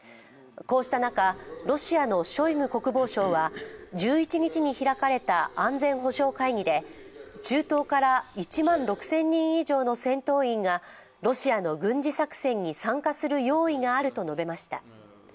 こうした中、ロシアのショイグ国防相は１１日に開かれた安全保障会議で中東から１万６０００人以上の戦闘員がロシアの軍事作戦に参加する用意があると述べました。